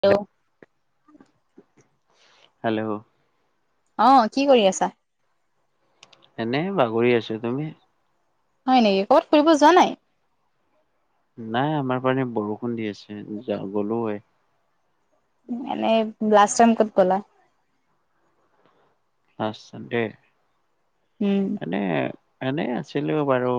Hello? Hello অ' কি কৰি আছা? এনে বাগৰি আছো, তুমি? হয় নেকি কৰবাত ফুৰিব যোৱা নাই? নাই আমাৰ পিনে বৰষুণ দি আছে যা গ'লো হয়। মানে লাষ্ট টাইম ক'ত গ'লা? [unintelligible] উম মানে এনেই আছিলো বাৰু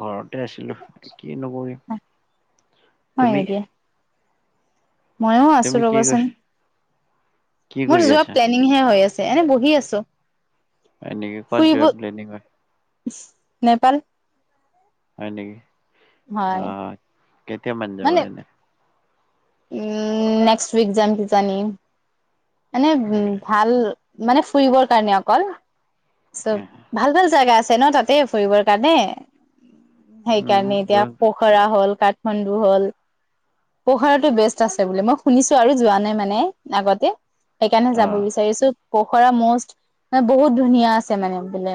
ঘৰত। তে আছিলো, কিনো কৰিম, হয় তুমি? নেকি ময়ো আছো তুমি কি ৰ'বাচোন। কৰি কি মোৰ কৰি যোৱা আছা প্লেনিংহে হৈ আছে এনে বহি আছো। হয় নেকি? ক'ত ফুৰিব যোৱা প্লেনিং হ নেপাল। হয় নেকি? হয় কেতিয়া মানে যাব এনে? উম নেক্সট ৱীক যায় কিজানি মানে উম ভাল মানে ফুৰিবৰ কাৰণে অকল। চব ভাল ভাল জাগা আছ আছে ন তাতে ফুৰিবৰ কাৰণে উম সেইকাৰণে এতিয়া পোখৰা হ'ল। কাঠমাণ্ডু হ'ল পোখৰাতো বেষ্ট আছে বুলি মই শুনিছো আৰু যোৱা নাই মানে আগতে সেইকাৰণে অ যাব বিচাৰিছো। পোখৰা মষ্ট বহুত ধুনীয়া আছে মানে বোলে,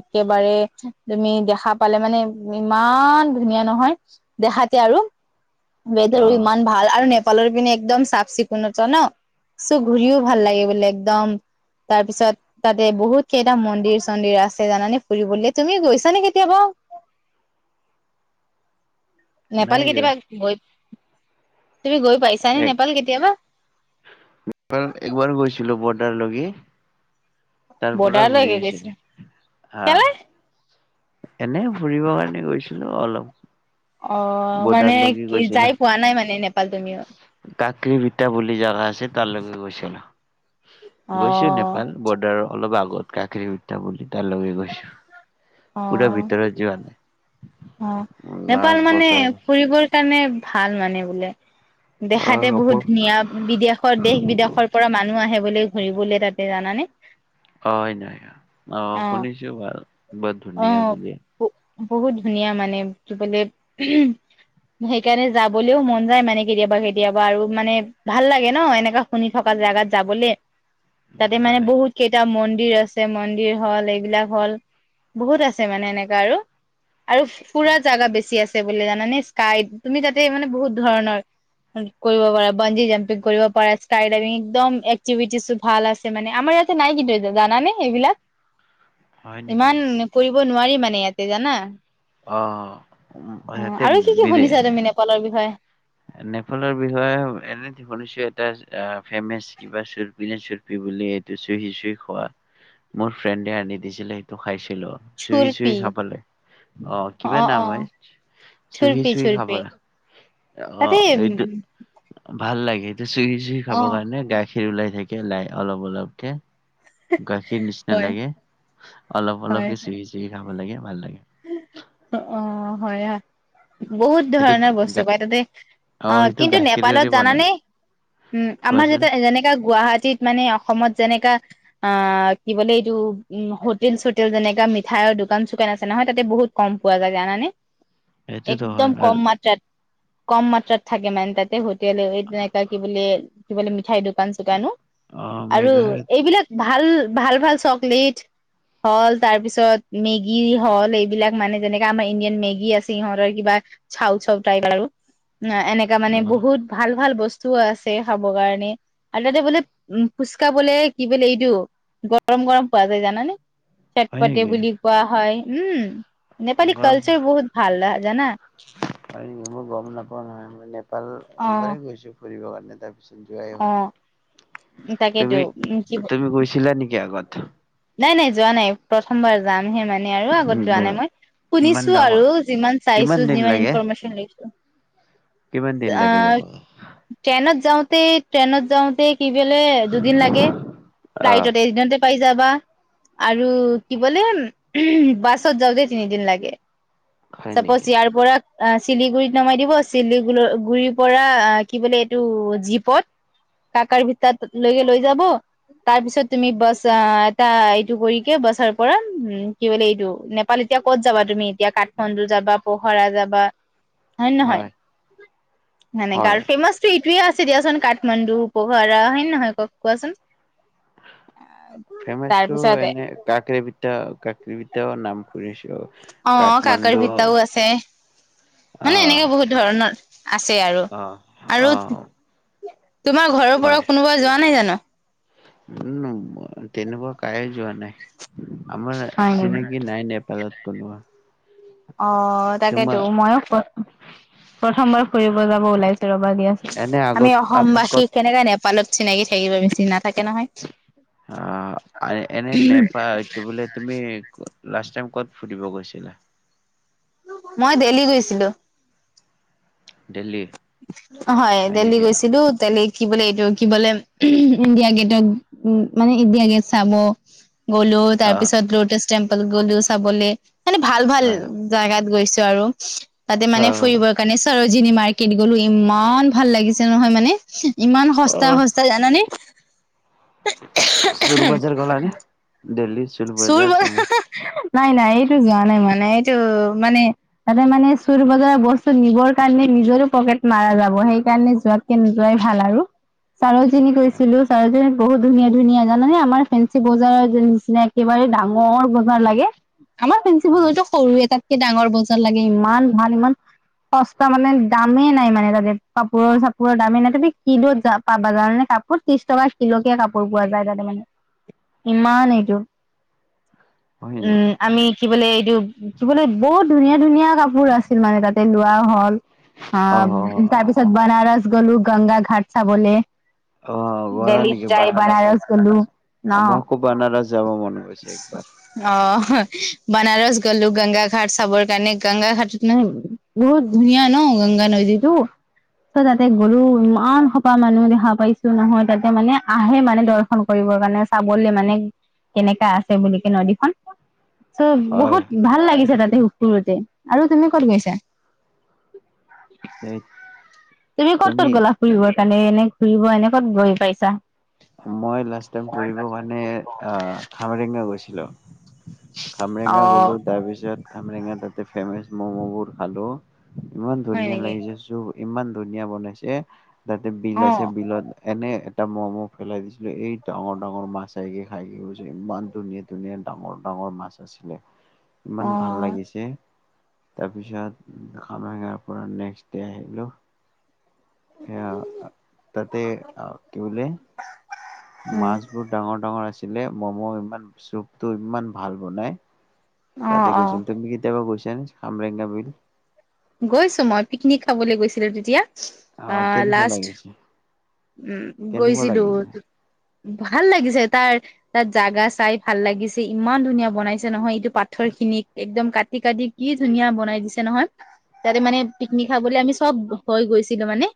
একেবাৰে তুমি দেখা পালে মানে ইমান ধুনীয়া নহয়, দেখাতে আৰু অ ৱেডাৰো ইমান ভাল আৰু ন লৰ পিনে একদম চাফ চিকুণ ত ন চো ঘূৰিও ভাল লাগে বোলে একদম। তাৰ পিছত তাতে বহুত কেইটা মন্দিৰ চন্দিৰ আছে জানানে ফুৰিবলৈ, তুমি গৈছা নে কেতিয়াবা? নাই নেপাল যোৱা কেতিয়াবা গৈ তুমি গৈ পাইছানে, নেপাল একবাৰ কেতিয়াবা। একবাৰ [unintelligible] পৰা বৰ্ডাৰ ঘূৰি লৈকে আহিছিলো গৈছে হা কেলে। এনে ফুৰিব কাৰণে গৈছিলো অলপ। অ,, মানে বৰ্ডাৰলৈকে কি গৈছিলো। যাই পোৱা নাই মানে নেপাল। পালদমীয়া [unintelligible] সীতা বুলি জাগা আছে তাৰ লৈকে গৈছিলো। অ গৈছো নেপাল বৰ্ডাৰৰ অলপ আগত। কত কাখেৰী উল্টা পুল্টা লৈ গৈছো অ পুৰা ভিতৰত যোৱা নাই। অ, 'নেপাল লাষ্ট মানে বছৰ ফুৰিবৰ কাৰণে ভাল। ভাল মানে বোলে। অ' দেখাতে হ'ব। বহুত ধুনীয়া, বিদেশৰ- দেশ বিদেশৰ পৰা মানুহ আহে বোলে ঘুৰিবলে তাত। জানা নে। হয় নাই আও অ' শুনিছো ভাল, বৰ অ ধুনীয়া বুলি। বহুত ধুনীয়া মানে দেখিবলৈ, সেইকাৰণে যাবলৈও মন যায় মানে কেতিয়াবা কেতিয়াবা আৰু মানে ভাল লাগে ন এনেকা শুনি থকা জেগাত যাবলে। তাতে, মানে অ' বহুত কেইটা মন দিৰ আছে, মন্দিৰ হ'ল, এইবিলাক হ'ল বহুত আছে মানে এনেকা আৰু। আৰু ফুৰা জাগা বেছি আছে। ছে বোলে জানানে। স্কাই, তুমি তাতে মানে বহুত ধৰণৰ কৰিব পাৰা। বঞ্জি জাম্পিং কৰিব পাৰা, স্কাইডাইভিং, একদম এক্টিভিটিজো ভাল আছে মানে, আমাৰ ইয়াতে নাই কিন্তু জানানে এইবিলাক হয় নেকি? ইমান কৰি ব নোৱাৰি মানে ইয়াতে জানা। অ', অ সিহঁতে আৰু কি কি দি দিয়ে। শুনিছা তুমি নেপালৰ বিষয়ে নেপালৰ বিষয়ে এনে শুনিছো এটা ফেমাচ কিবা চুৰপি নে চুৰপি বুলি এইটো চুহি চুহি খোৱা, মোৰ ফ্ৰেণ্ডে আনি দিছিলে, সেইটো খাইছিলোঁ। লো। চুহি, চুহি চুৰপি খাবলৈ, অ কিবা নাম হয়, চুহি চুৰপি চুহি খাব চুৰপি লা তাতে অ', এইটো ভাল লাগে। চুহি চুহি অ খাব কাৰণে গাখ খীৰ ওলাই থাকে লাই, অলপ অলপকে। গাখীৰ নিচিনা হয় লাগে। অলপ হয় অলপকে চুহি- চুহি খাব লাগে, ভাল লাগে। অ', হয় আ বহুত সেইটো ধৰণৰ বস্তু গা পায় তাতে, অ' সেইটো কিন্তু নেপালত গাখীৰেৰে বনাই জানানে, উম, আমাৰ কোৱাচোন যাতে যেনেকা গুৱাহাটীত মানে অসমত যেনেকা অ', কি বোলে এইটো, উম, হোটেল চোটেল যেনেকা মিঠাইৰ দোকান চুকান আছ ছে নহয়, তাতে বহুত কম পোৱা যায় জানানে? সেইটোতো একদম হয় কম আৰু মাত্ৰাত কম মাত্ৰাত থাকে মানে তাতে হোট [unintelligible] কি বুলি কি বোলে, মিঠাইৰ দোকান চোকানো অ আৰু মেঘালয়ত এইবিলাক ভাল, ভাল- ভাল চকলেট, হ'ল তাৰপিছত মেগি হ'ল এইবিলাক মানে যেনেকে আমাৰ ইণ্ডিয়ান মেগী আছে, সিহঁতৰ কিবা চাউ চাউ টাইপ আৰু। না, এনেকা মানে অ বহুত ভাল ভাল বচ তু আছে খাব কাৰণে, আৰু তাতে বোলে ফুচকা বোলে কি বোলে এইটো, গৰম গৰম পোৱা যায় জানানে। হয় চটপটি নেকি বুলি কোৱা হয়। উম'। নেপালী গৰম হয় কালচাৰ বহুত ভাল জানা। [inaudible] [unintelligible] একবাৰেই গৈছো অ ফুৰিবৰ কাৰণ [unintelligible] যোৱাই অ হোৱা নাই। তাকেতো তুমি উম কি তুমি গৈছিলা নেকি আগত। [inaudible] নাই নাই যোৱা নাই প্ৰথমবাৰ যা সে মানে আৰু আগত যোৱা উ নাই মই, ইমান শুনিছো ডাঙৰ আৰু যিমান কিমান চাইছো দিন যিমান লাগে ইনফৰমেশচন লৈছোঁ। কিমান দিন লাগে যাব অ' ট্ৰেনত যাওঁতে ট্ৰেনত যাওঁতে কি বেলে দুদিন লাগে, আহ ফ্লাইটত এইদিনতে পাই যাবা, আৰু কি বোলে উ বাছত যাওঁতে তিনিদিন লাগে। হয় নেকি চাপজ ইয়াৰ পৰা অ' শিলিগুড়িত নমাই দিব শিলি গুড়িৰ পৰা কি বোলে এইটো জীপত, কাকাৰ ভিতত লৈকে লৈ যাব তাৰ পিছত তুমি বাছ এটা এইটো কৰিকে বাছৰ পৰা উম, কি বোলে এইটো নেপাল এতিয়া ক'ত যাবা তুমি। [unintelligible] কাঠমাণ্ডু যাবা পোহৰা যাবা। হয় ন নহয়। ন নাই কাৰ হয় ফেমছটো এইটোৱে আছে দিয়াচোন কাঠমাণ্ডু উপহাৰা হয় নে নহয় কওঁক কোৱাচোন? তাৰ ফেমাচটো পিছতে এনে কাক্ৰি বিদ্যা, কাক্ৰি বিদ্যাও নাম দুইশ অ' কাক্ৰি বিদ্যাও আছে। মানে আহ এনেকে বহুত ধৰণৰ আছে আৰু। আহ আৰু আহ তোমাৰ ঘৰৰ পৰাওঁ কোনোবা যোৱা নাই জানো? উম্, তেনেকুৱা কায়ে যোৱা নাই। আমাৰ হয় নেকি? চিনাকি নাই নেপালত কোনোৱে। অ' তাকেতো মইয়ো ফোন প্ৰথমবাৰ ফুৰিব যাব ওলাইছো ৰ'বা দিয়াচোন। এনে আগত আমি আগত অসমবাসী ক'ত কেনেকে নেপালত চিনাকি থাকিব বেছি, নাথাকে নহয়। অ' এনে নেপায়, কি বুলে তুমি লাষ্ট টাইম ক'ত ফুৰিব গৈছিলা? মই দেলি গৈছিলোঁ। দিল্লী? হয়, দিল্লী গৈছিলোঁ, দেলি কি বোলে এইটো, কি বোলে ইণ্ডিয়া গেটতক, মানে ইণ্ডিয়া গেট চাব গ'লো, তাৰ আহ পিছত লটাছ টেম্পল গ'লো চাবলে। মানে ভাল, ভাল আহ জাগাত গৈছোঁ আৰু তাতে মানে আহ ফুৰিবৰ কাৰণে চৰো জিনিমাইক [unintelligible] গ'লো, ইমান ভাল লাগিছে নহয়, মানে ইমান সস্তা, সস্তা জানানে? চুৰ বজাৰ গ'লা নে দিল্লী? চোৰ চুৰ বজাৰ ব ফেমাচ নাই, নাই এইটো যোৱা নাই মানে, এইটো মানে তাতে মানে চুৰ বজাৰৰ বস্তু নিবৰ কাৰণে নিজৰো পকেট মাৰা যাব। সেইকাৰণে যোৱাতকে নোযোৱাই ভাল আৰু। সৰোজনী হয় গৈছিলো সৰোজনীত বহুত ধুনীয়া, ধুনীয়া জানেনে আমাৰ ফেঞ্চি বজাৰৰ নিচিনা ইমানে ডাঙৰ বজাৰ লাগে। আমাৰ আহ, ফেন্ঞ্চিবজাৰটো সৰু এটাত কি ডাঙৰ বজাৰ লাগে। ইমান ভাল, ইমান সস্তা মানে দামেই নাই মানে তাতে, কাপোৰৰ চাপোৰৰ দামেই নাই, তাতে কিলোত যাপ পাবা জানানে, কাপোৰ ত্ৰিশ টকা কিলোকে কাপোৰ পোৱা যায় তাতে মানে ইমান এইটো হয় উম নেকি? আমি কি বোলে এইটো কি বোলে বহুত ধুনীয়া ধুনীয়া কাপোৰ আছিল মানে তাতে লোৱা হ'ল অ আহ তাৰ পিছত বানাৰস গ'লো গংগা ঘাট চাবলে অ' গলা দেল্লীত নেকি যাই বনাৰস বানাৰসত। আমাৰকো বানাৰস যাব মন গৈছে একবাৰ। অহ। বানাৰস গলো গংগা ঘাট চাবৰ কাৰণে, গংগা ঘাট মানে বহুত ধুনীয়া ন গংগা নদীতটো চ তাতে গৰু ইমান সোপা মানুহ দেখা পাইছো নহয় তাতে মানে আহে মানে দৰ্শন কৰিবৰ কাৰণে চাবলে মানে কেনেকা আছে বুলি কে নদীখন। চ' হয় বহুত ভাল লাগিছে তাতে [unintelligible] আৰু তুমি ক'ত গৈছা? [inaudible] তুমি ক'ত ক'ত গ'লা‌ ফুৰিব? সেইকাৰণে এনে ঘূৰিব এনে কত গৈ পাইছা? মই লাষ্ট টাইম ফুৰিব কাৰনে আ, খামৰেঙা গৈছিলোঁ। খামৰেঙা গ'লো, অ' তাৰপিছত খামৰেঙাত তে ফেমাচ ম'মবোৰ খালো! ইমান হয় ধুনীয়া নেকি? লাগিছে চো ইমান ধুনীয়া বনাইছে! তাতে বিল আছে, অ' বিলত এনেই এটা ম'ম পেলাই দিছিলোঁ। এই ডাঙৰ-ডাঙৰ মাছ আহি খাই কি গৈছে ইমান ধুনীয়া-ধুনীয়া ডাঙৰ-ডাঙৰ মাছ আছিলে। ইমান ভাল অ' লাগিছে। তাৰপিছত আমাৰ গাঁৱৰ পৰা নেক্সট ডে আহিলোঁ। এ তাতে কিহলে [unintelligible] হয়। মাছবোৰ ডাঙৰ-ডাঙৰ আছে। লে ম'ম ইমান চুপটো ইমান ভাল বনাই। তাতে অ' গৈছো। অ' তুমি কেতিয়াবা গৈছা? অমৰেগা বিল? গৈছোঁ মই, পিকনিক খাবলৈ গৈছিলোঁ তেতিয়া। অ' কেনেকুৱা লাষ্ট লাগিছে উম' কেনেকুৱা গৈছিলোঁ। লাগিছে ভাল লাগিছে তাৰ তাত জাগা চাই ভাল লাগিছে, ইমান ধুনীয়া বনাইছে নহয় এইটো পাথৰ খিনিক একদম কাটি-কাটি কি ধুনীয়া বনাই দিছে নহয়। তাতে মানে পিকনিক খাবলৈ আমি চব হৈ গৈছিলোঁ মানে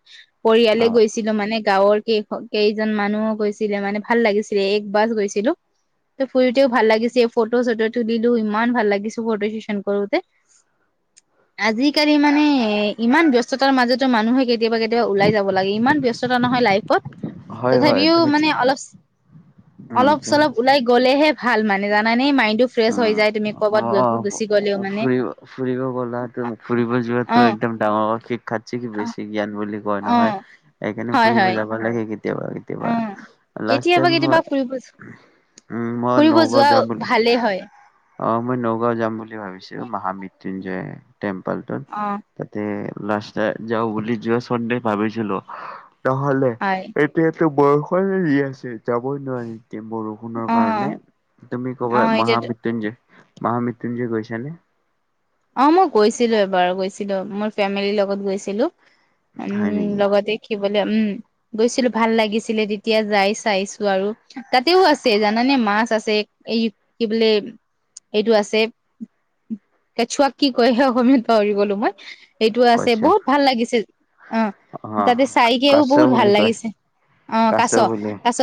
পৰিয়ালে অ গৈছিলোঁ মানে গাঁৱৰ কেই কেইজন মানুহো গৈছিলে মানে ভাল লাগিছিলে, এক বাছ গৈছিলোঁ। ত ফুৰিতেও ভাল লাগিছিল, ফটো চটো তো দিলো ইমান ভাল লাগিছো ফটো শুশন কৰোতে। আজি আজিকালি মানে এ ইমান ব্যস্ততাৰ মাজতো মানুহে কেতিয়াবা কেতিয়াবা ওলাই যাব লাগে, ইমান ব্যস্ততা নহয় লাইফত। হয় হয় তথাপিও তুমি মানে ঠিক অলপ, উম অলপ তুমি চলপ ওলাই গলেহে, ভাল মানে জানা নে, মা - টো ফ্ৰেছ হৈ যায়, তুমি অ কৰবাত অ গুচি গলে মানে, ফুৰিব ফুৰিব গ'লা তুমি ফুৰিব যোৱাত অ তই একদম দা অ, [unintelligible] থাতচি, বেছি জ্ঞান বুলি। কয় অ নহয়, এইকাৰনে হয় ফুৰিব হয় যাব লাগে। কেতিয়াবা কেতিয়াবা, উম, অঁ লাষ্ট কেতিয়াবা টাইম মই, কেতিয়াবা ফুৰিব মই ফুৰিব নৌ ঘৰত যোৱা যাম বুলি ভালেই হয়। অঁ মই ন'গাঁও জাম বুলি ভাবিছোঁ মহামিত। দিনযায় তেমপাল টোত অ', তাতে, লাষ্ট ইয়েৰ, যাও বুলি যোৱা চনতে ভাবিছিলো। নহ'লে হয় এতিয়া, বৰষুণে দি আছে। যাবই নোৱাৰি, এতিয়া বৰষুণৰ অ', কাৰণে। তুমি কবা অ', এতিয়াতো মহামিত। যে মহা মৃতুঞ্জয় গৈছ নে? অ মই গৈছিলো এবাৰ গৈছিলো মোৰ ফেমিলিৰ লগত গৈছিলো। হয় উম নেকি? লগতে খি বোলে উম গৈছিলো ভাল লাগিছিলে তেতিয়া যায় কেঁচুৱাক কি কয় অসমীয়াত পাহৰি গলোঁ মই। সেইটো আছে কশ্যপ বহুত ভাল লাগিছে অঁ অ' তাতে চাইগে কাছ বহুত ভাল বুলি কয় লগিছে কাছ অঁ কাছ।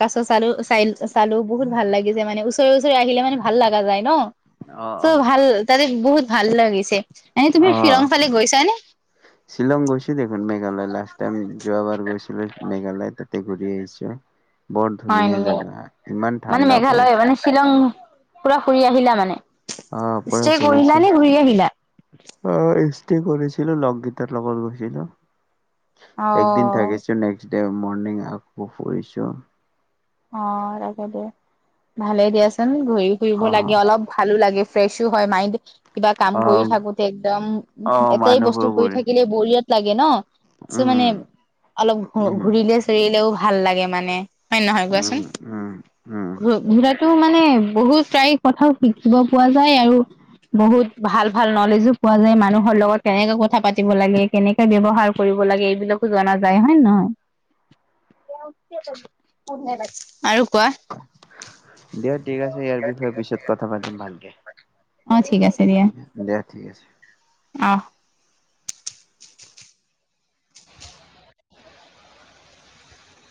কাছ চাৰ চাই। চালো বহুত ভাল লাগিছে মানে ওচৰে ওচৰে আহিলে মানে ভাল অ' লগে। বহুত ভাল লাগিছে। অহ শ্বিলং ফালে গৈছা নে ছিলং গৈছলোঁ মেঘালয় লাষ্ট টাইম যোৱাবাৰ গৈছোঁ মেঘালয় তাতে। ঘূৰি আহিছো। বৰ হয় ধুনীয়া নেকি জাগা ইমান মানে ঠাণ্ডা। মেঘালয় মানে শ্বিলং পুৰা ফুৰি আহিলা মানে। অহ ওপৰে ষ্টে ওপৰে কৰিলা গৈছে নে ঘূৰি আহিলা [unintelligible] কৰিছিলো লগীতাৰ লগত গৈছিলো। অ একদিন থাকিছো নেক্স ডে মৰ্নিং ফু ফু আহিছ? অঁ তাছতে ভালেই দিয়াচোন। টো হেৰি কৰিব অ লাগে অলপ, ভালো লাগে। ফ্ৰেছো হয় মাইণ্ড কিবা কাম অ কৰি থাকোতে একদম অ এটাই বস্তু মানুহবোৰ কৰি ঘূৰি থাকিলে বৰিয়াত লাগে ন' কিছুমানে উম অলপ ঘ উম ঘূৰিলে চৰিলেও ভা ভাল লাগে মানে হয় নে নহয়? উম উম উম। টো মানে বহুত তাৰ কথাও শিকিব পোৱা যায় আৰু বহুত ভাল ভাল নলেজো পোৱা যায় মানুহৰ লগত কেনেকে কথা পাতিব লাগে, কেনেকে ব্যৱহাৰ কৰিব লাগে এইবিলাকো জনা যায় হয়ে নহয়? [unintelligible] আৰু কোৱা। দিয়া ঠিক আছে ইয়াৰ বিষয়ে পিছত কথা পাতিম ভালকে। অঁ ঠিক আছে। দিয়া ঠিক আছে। অঁহ [unintelligible]